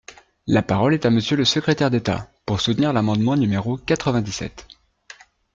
La parole est à Monsieur le secrétaire d’État, pour soutenir l’amendement numéro quatre-vingt-dix-sept.